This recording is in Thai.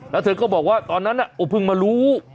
และเธอก็ก็บอกว่าเพิ่งมารู้